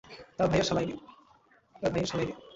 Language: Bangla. তার ভাইয়ের শালা ইনি।